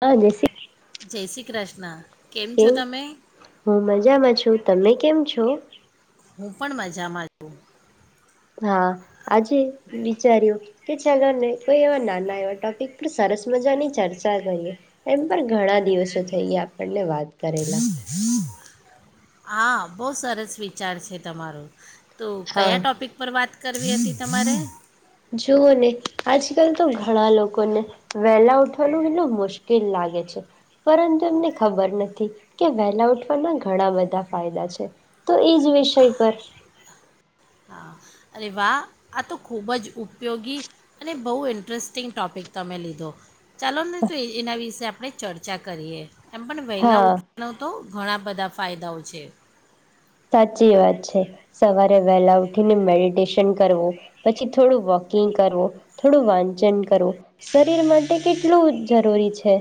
હા જસી જય શ્રી કૃષ્ણ છો કેમ તમે હું મજામાં છું. તમે કેમ છો? હું પણ મજામાં છું. હા આજે વિચાર્યું કે ચાલો ને કોઈ એવા નાના એવા ટોપિક પર સરસ મજાની ચર્ચા કરીએ એમ પર ઘણા દિવસો થઈએ આપણને વાત કરેલા. બો સરસ વિચાર છે તમારો. તો હા કયા ટોપિક પર વાત કરવી હતી તમારે જુઓ ને આજકાલ તો ઘણા લોકોને વેલા ઉઠવાનું બો મુશ્કેલ લાગે છે પરંતુ એમને ખબર નથી કે વહેલા ઉઠવાના ઘણા બધા ફાયદા છે તો એ જ વિષય પર અને વાહ આ તો ખૂબ જ ઉપયોગી અને બહુ ઇન્ટરેસ્ટિંગ ટોપિક તમે લીધો ચાલો નહી તો એના વિશે આપ આપણે ચર્ચા કરીએ. એમ પણ વહેલા હા ઉઠવાનો તો ઘણા બધા ફાયદાઓ છે. સાચી વાત છે, સવારે વહેલા ઉઠીને મેડિટેશન કરવું પછી થોડું વોકિંગ કરવું થોડું વાંચન કરવું શરીર માટે કેટલું જરૂરી છે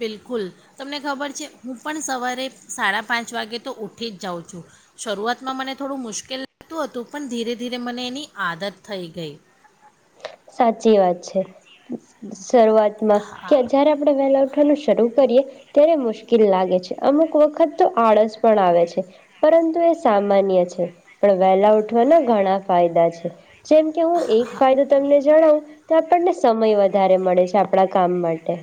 બિલકુલ તમને ખબર છે હું પણ સવારે સાડા પાંચ વાગે તો ઉઊઠી જ જાઉં છું. શરૂઆતમાં મને થોડું મુશ્કેલ લાગતું હતું. પણ ધીરે ધીરે મને એની આદત થઈ ગઈ સાચી વાત છે. શરૂઆતમાં હા કે, જયારે આપડે વેલઉટ વાનું શરૂ કરીએ ત્યારે મુશ્કેલ લાગે છે અમુક વખત તો આળસ પણ આવે છે પરંતુ એ સામાન્ય છે પણ વહેલા ઉઠવાના ઘણા ફાયદા છે. જેમ કે હું એક ફાયદો, ત જણાવ તો આપણને સમય વધારે મળે છે. આપણા કામ માટે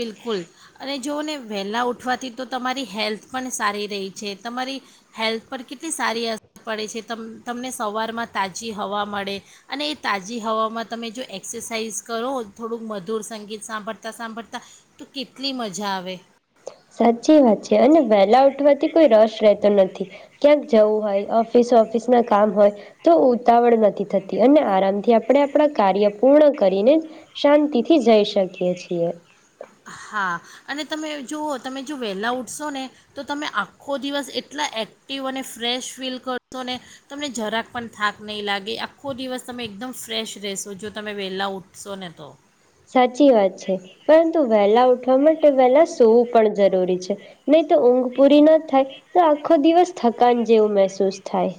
બિલકુલ અને જોઓને વહેલાં ઉઠવાથી તો તમારી હેલ્થ પણ સારી રહી છે તમારી હેલ્થ પર કેટલી સારી અસર પડે છે ત તમને સવારમાં તાજી હવા મળે અને એ તાજી હવામાં તમે જો એક્સરસાઇઝ કરો થોડુંક મધુર સંગીત સાંભળતા સાંભળતાં તું કેટલી મજા આવે સાચી વાત છે અને વહેલા ઉઠવાથી કોઈ રસ રહેતો નથી ક્યાંક જવું હોય ઓફિસ ઓફિસ ના કામ હોય તો ઉતાવળ નથી થતી અને આરામથી આપણે આપણા કાર્ય પૂર્ણ કરીને શાંતિથી જઈ શકીએ છીએ. હા અને તમે જુઓ તમે જો વહેલા ઊઠશો ને તો તમે આખો દિવસ એટલા એક્ટિવ અને ફ્રેશ ફીલ કરશો ને તમને જરાક પણ થાક નહીં લાગે આખો દિવસ તમે એકદમ ફ્રેશ રહેશો જો, તમે વહેલા ઊઠશો ને તો. સાચી વાત છે પરંતુ વહેલા ઉઠવા માટે વહેલા સોવું પણ જરૂરી છે નહી તો ઊંઘ પૂરી ના થાય તો, આખો દિવસ થકાન જેવું મહેસૂસ થાય.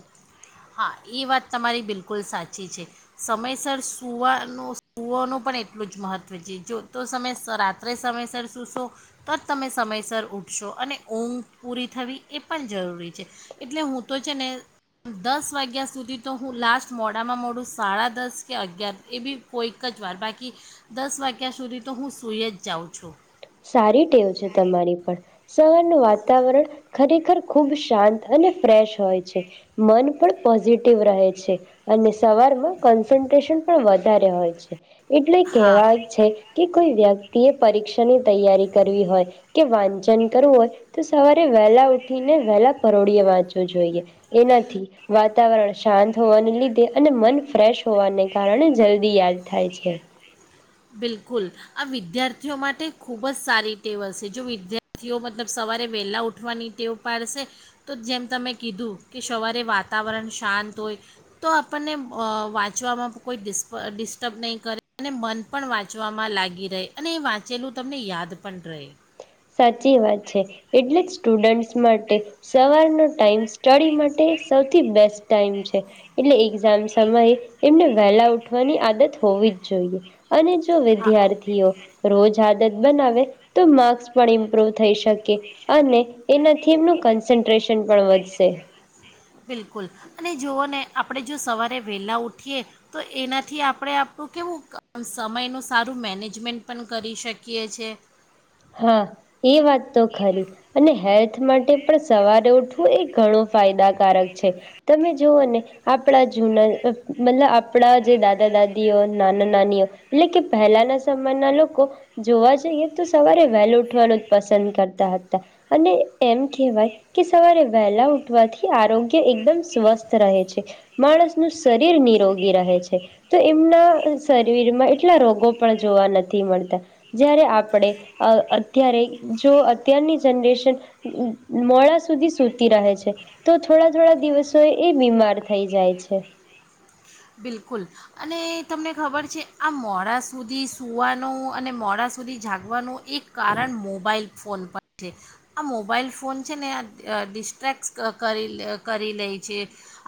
હા એ વાત તમારી બિલકુલ સાચી છે. સમયસર સૂવાનું સૂવનું પણ એટલું જ મહત્ત્વ છે જો તો સમય રાત્રે સમયસર સૂશો તો જ તમે સમયસર ઉઊઠશો અને ઊંઘ પૂરી થવી એ પણ જરૂરી છે, એટલે હું તો છે ને, દસ વાગ્યા સુધી તો હું, લાસ્ટ મોડામાં મોડું સાડા દસ કે અગિયાર એ બી કોઈક જ વાર બાકી દસ વાગ્યા સુધી તો હું, સુઈ જ જાઉં છું સારી ટેવ છે તમારી પણ સવારનું વાતાવરણ ખરેખર ખુબ શાંત અને ફ્રેશ હોય છે મન પણ પોઝિટિવ રહે છે અને સવારમાં કોન્સન્ટ્રેશન પણ વધારે હોય છે. એટલે હા કેહેવાય છે કે, કોઈ વ્યક્તિ એ પરીક્ષાની, તૈયારી કરવી હોય કે વાંચન કરવું હોય તો સવારે વહેલા ઉઠીને વેલા પરોળએ વાંચવું જોઈએ. એનાથી વાતાવરણ શાંત હોવાને લીધે અને મન ફ્રેશ હોવાને કારણે જલ્દી યાદ થાય છે. બિલકુલ આ વિદ્યાર્થીઓ માટે ખૂબ જ સારી ટેવ હશે જો વિદ્યાર્થીઓ મતલબ સવારે વહેલાં ઉઠવાની ટેવ પાડશે તો જેમ તમે કીધું કે સવારે વાતાવરણ શાંત હોય તો આપણને વાંચવામાં કોઈ ડિપ ડિસ્ટર્બ નહીં કરે અને મન પણ વાંચવામાં લાગી રહે અને વાંચેલું તમને યાદ પણ રહે સાચી વાત છે, એટલે જ સ્ટુડન્ટ માટે સવારનો ટાઈમ સ્ટડી માટે સૌથી બેસ્ટ ટાઈમ છે એટલે એક્ઝામ સમયે એમને વહેલા ઉઠવાની આદત હોવી જ જોઈએ. અને જો હા વિદ્યાર્થીઓ રોજ આદત બનાવે તો માર્સ. પણ ઇમ્પ્રુવ થઈ શકે અને એનાથી એમનું કન્સન્ટ્રેશન પણ વધશે. બિલકુલ અને જુઓ ને આપણે જો સવારે વહેલા ઉઠીએ તો એનાથી આપણે આપણું કેવું સમયનું સારું મેનેજમેન્ટ પણ કરી શકીએ છે. હા એ વાત તો ખરી અને હેલ્થ. હ માટે પણ સવારે ઉઠવું એ ઘણું ફાયદાકારક છે તમે જોુવઓ ને આપણા જૂના મતલબ આપણા જે દાદા દાદીઓ નાના નાનીઓ એટલે કે પહેલાના સયના લોકો જોવા જઈએ તો, સવારે વહેલ ઉઠવાનું જ પસંદ કરતા હતા અને એમ કહેવાય કે સવારે વહેલા ઉઠવાથી આરોગ્ય એકદમ સ્વસ્થ રહે છે માણસનુંું શરીર નિરોગી રહે છે તો એમના શરીરમાં એટલા રોગો પણ જોવા નથી મળતા જ્યારે આપણે અ અત્યારે જો અત્યારની જનરેશન મોડા સુધી સૂતી રહે છે તો થોડા થોડા દિવસો એ બીમાર થઈ જાય છે બિલકુલ અને તમને ખબર છે, આ મોડા સુધી સૂવાનું અને મોડા સુધી જાગવાનું એક કારણ મોબાઈલ ફોન પણ છે, આ મોબાઈલ ફોન છે ને આ ડિસ્ટ્રેક કરી કરી લે છે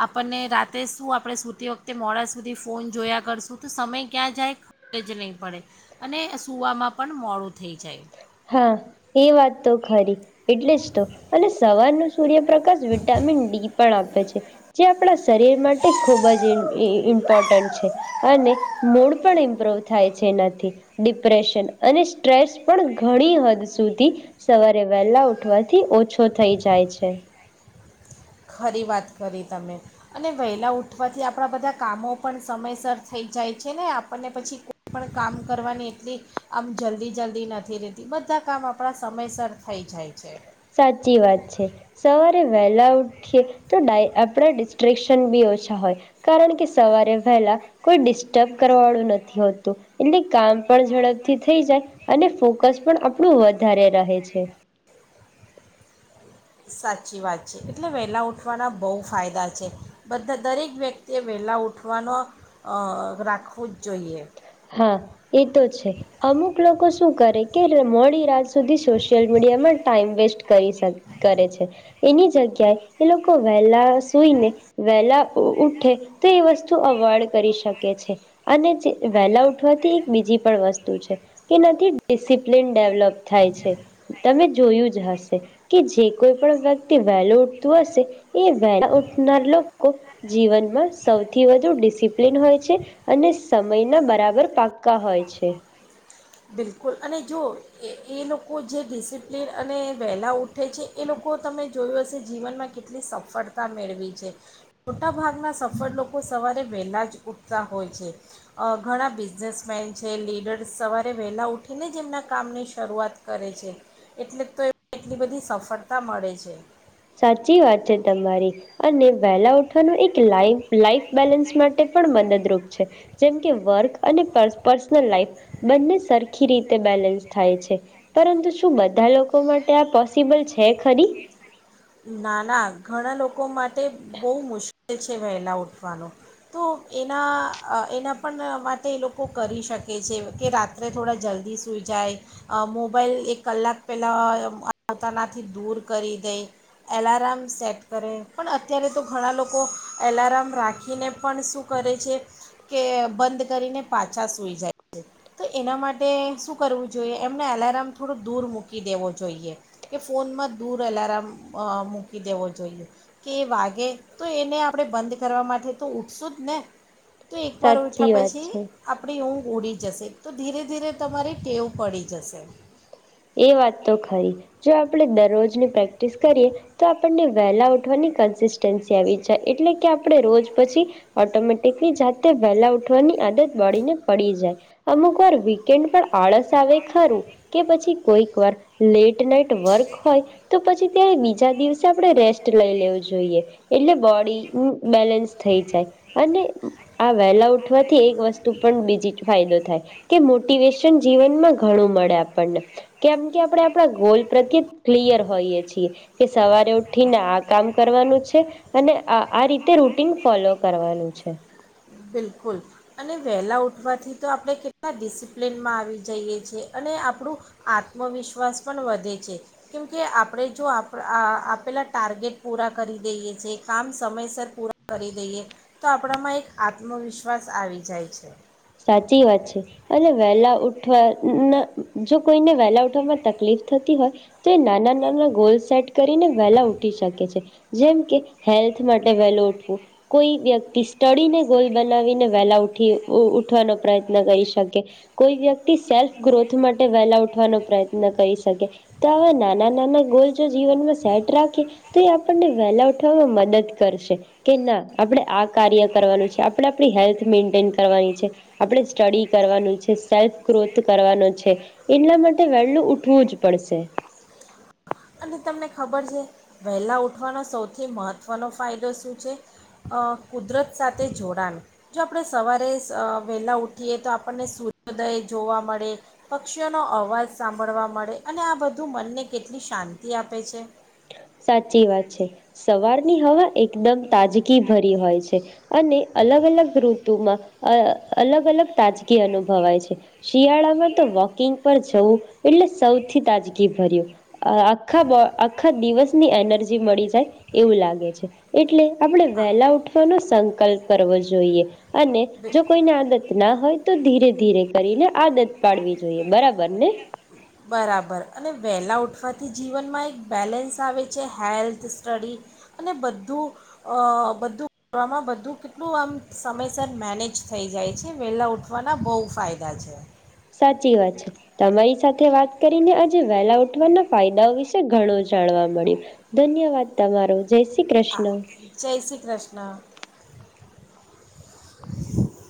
આપણને રાતે શું આપણે સૂતી વખતે તે મોડા સુધી ફોન જોયા કરશું તો સમય ક્યાં જાય ખબ જ નહીં પડે અને સુવામાં પણ મોડું થઈ જાય હા એ વાત તો ખરી એટલે જ તો અને સવાર ન સૂર્યપ્રકાશ વિટામિન ડી પણ આપે છે, જે આપણા શરીર માટે ખૂબ જ ઇમ્પોર્ટન્ટ છે. અને મૂડ પણ ઇમ્પ્રુવ થાય છે એનાથી ડિપ્રેશન અને સ્ટ્રેસ પણ, ઘણી હદ સુધી સવારે વહેલા ઉઠવાથી ઓછો થઈ જાય છે ખરી વાત કરી તમે અને વહેલા ઉઠવાથી આપણા બધા કામો પણ સમયસર થઈ જાય છે ને આપણને પછી કોઈ પણ કામ કરવાની એટલી આમ જલ્દી જલ્દી નથી રહેતી બધા કામ આપણા સમયસર થઈ જાય છે. સાચી વાત છે સવારે વહેલા ઉઠીએ તો આપણા ડિસ્ટ્રેક્શન બી ઓછા હોય, કારણ કે સવારે વહેલા કોઈ ડિસ્ટર્બ કરવાળું નથી હોતું એટલે કામ પણ ઝડપથી થઈ જાય અને ફોકસ પણ આપણું વધારે રહે છે. સાચી વાત છે એટલે વહેલા ઉઊઠવાના બહુ ફાયદા છે, બધા દરેક વ્યક્તિએ વહેલા ઉઠવાનો રાખવું જ જોઈએ. હા એ તો છે, અમુક લોકો શું કરે કે મોડી રાજ. સુધી સોશિયલ મીડિયામાં. ટાઈમ વેસ્ટ કરી કરે છે. એની જગ્યાએ એ લોકો વહેલા સુઈને વહેલા ઉઠે તો એ વસ્તુ અવોઈડ કરી શકે છે, અને વહેલા ઉઠવાથી એક બીજી પણ વસ્તુ છે કે નથી ડિસિપ્લિન ડેવલોપ થાય છે તમે જોયું જ હશે કે જે કોઈ પણ વ્યક્તિ વહેલું ઉઠતું હશે એ વહેલા ઉઠનાર લોકો જીવનમાં સૌથી વધુ ડિસિપ્લિન હોય છે અને સમયના બરાબર પાક્કા હોય છે. બિલકુલ અને જો એ એ લોકો જે, ડિસિપ્લિન અને વહેલાઉટ ઉઠે છે એ લોકો તમે જોયું હશે જીવનમાં કેટલી સફળતા મેળવી છે મોટા ભાગના સફળ લોકો સવારે વહેલા જ ઉઠતા હોય છે ઘણા બિઝનેસમેન છે લીડર્સ સવારે વેલા ઉઠીને જ એમના કામની શરૂઆત કરે છે એટલે તો એટલી બધી સફળતા મળે છે. સાચી વાત છે તમારી અને વહેલા ઉઠવાનું એક લાઈન લાઈફ બેલેન્સ માટે પણ મદદરૂપ છે. જેમ કે વર્ક અને પર્સનલ લાઈફ બંને સરખી રીતે બેલેન્સ થાય છે પરંતુ શું બધા લોકો માટે આ પોસિબલ છે ખરી. ના ના ઘણા લોકો માટે તે બહુ મુશ્કેલ લ છે વહેલા ઉઠવાનું તો એના એના પણ માટે એ લોકો કરી શકે છે કે રાત્રે થોડા જલ્દી સુઈ જાય મોબાઈલ એક કલાક પહેલાં આવતાનાથી દૂર કરી દે. એલાર્ામ સેટ કરે પણ અત્યારે તો ઘણા લોકો એલાર્ામ રાખીને પણ શું કરે છે કે બંધ કરીને પાછા સૂઈ જાય છે તો એના માટે શું કરવું જોઈએ એમને એલાર્મ થોડો દૂર મૂકી દેવો જોઈએ કે ફોનમાં દૂર એલાર્મ અ મૂકી દેવો જોઈએ કે એ વાગે તો એને આપણે બંધ કરવા માટે તો ઉઊઠશું જ ને. તો એકવાર સાચી ઉઠ્યા વાત પછી છે આપણી હું ઉડી જશે તો ધીરે ધીરે તમારી ટેવ પડી જશે. એ વાત તો ખરી જો આપણે દરરોજની પ્રેક્ટિસ કરીએ તો આપણને વહેલા ઉઠવાની કન્સિસ્ટન્સી આવી જાય એટલે કે આપણે રોજ પછી ઓટોમેટિકલી જાતે વહેલા ઉઠવાની આદત બળીને પડી જાય અમુક વાર વીકેન્ડ પણ આળસ આવે ખરું કે પછી કોક વાર લેટ નાઈટ વર્ક હોય તો પછી ત્યારે બીજા દિવસે આપણે રેસ્ટ લઈ લેવું જોઈએ એટલે બોડી બેલેન્સ થઈ જાય અને આ વેલા ઉઠવાથી એક વસ્તુ પણ બીજી ફાયદો થાય કે મોટિવેશન જીવનમાં ઘણું મળે આપણને. કેમ કે આપણે આપણા ગોલ પ્રત્યે ક્લિયર હોઈએ છીએ કે સવારે ઉઠીને આ કામ કરવાનું છે અને આ રીતે રૂટીન ફોલો કરવાનું છે. બિલકુલ અને વહેલા ઉઠવાથી તો આપણે કેટલા ડિસિપ્લિનમાં આવી જઈએ છી અને આપણું આત્મવિશ્વાસ પણ વધે છે કેમકે આપણે જો આપ આપેલા ટાર્ગેટ પૂરા કરી દઈએ છ છે કામ સમયસર પૂરા કરી દઈએ. તો આપણામાં એક આત્મવિશ્વાસ આવી જાય છે. સાચી વાત છે અને વહેલા જો કોઈને વહેલા ઉઠવામાં તકલીફ થતી હોય તો એ નાના નાના ગોલ સેટ કરીને વેલા ઉઠી શકે છે જેમકે હેલ્થ માટે વહેલો ઉઠવું કોઈ વ્યક્તિ સ્ટડીને ગોલ બનાવીને વહેલા ઉઠી પ્રયન કરી કોઈ વ્યક્તિ સેલ્ફ ગ્રોથ માટે વેલા ઉઠવાનો પ્રયત્ન કરી શકે તો આવા નાના નાના ગોલ જો જીવનમાં સેટ રાખીએ તો એ આપણને વેલા ઉઠવામાં મદદ કરશે કે ના આપણે આ કાર્ય કરવાનું છે આપણે આપણી હેલ્થ મેન્ટેન કરવાની છે. આપણે સ્ટડી કરવાનું છે સેલ્ફ ગ્રોથ કરવાનો છે એટલા માટે વેલું ઉઠવું જ પડશે. અને તમને ખબર છે વહેલા ઉઠવાનો સૌથી મહત્ત્વનો ફાયદો શું છે કુદરત સાથે જોડાણ જો આપણે સવારે વહેલા ઉઠીએ તો આપણને સૂર્યોદય જોવા મળે પક્ષીઓનો અવાજ સાંભળવા મળે અને આ બધું મનને કેટલી શાંતિ તિ આપે છે. સાચી વાત છે સવારની હવા એકદમ તાજગી ભરી હોય છે અને અલગ અલગ ઋતુમાં અલગ અલગ તાજગી અનુભવાય છે શિયાળામાં તો વોકિંગ પર જવું એટલે સૌથી તાજગી ભર્યું આખા આખા દિવસ ની એનર્જી મળી જાય એવું લાગે છે એટલે આપણે હા વહેલા ઉઠવાનો સંકલ્પ કરવો જોઈએ અને બે- જો કોઈને આદત ના હોય તો ધીરે ધીરે કરીને આદત પાડવી જોઈએ બરાબરને. બરાબર અને વહેલા ઉઠવાથી જીવનમાં એક બેલેન્સ આવે છે હેલ્થ સ્ટડી અને બધું બધું કરવામાં બધું કેટલું આમ સમયસર મેનેજ થઈ જાય છે વહેલા ઉઠવાના બહુ ફાયદા છે. સાચી વાત છે તમારી સાથે વાત કરીને આજે વહેલા ઉઠવાના ફાયદાઓ વિશે ઘણું જાણવા મળ્યું ધન્યવાદ તમારો. જય શ્રી આ કૃષ્ણ જય શ્રી કૃષ્ણ.